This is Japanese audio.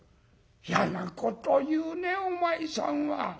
「嫌なこと言うねお前さんは。